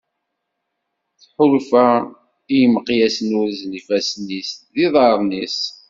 Tḥulfa i yimeqyasen urzen ifassen-is d yiḍarren-is.